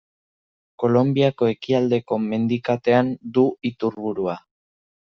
Kolonbiako Ekialdeko Mendikatean du iturburua.